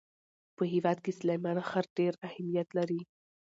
په هېواد کې سلیمان غر ډېر اهمیت لري.